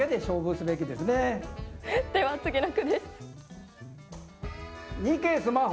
では次の句です。